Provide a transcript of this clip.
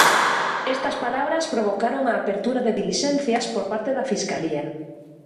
Estas palabras provocaron a apertura de dilixencias por parte da Fiscalía.